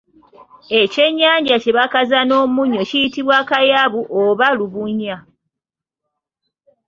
Ekyennyanja kye bakaza n’omunnyo kiyitibwa akayabu oba olubunya.